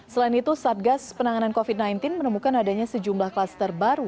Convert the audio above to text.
selain itu satgas penanganan covid sembilan belas menemukan adanya sejumlah kluster baru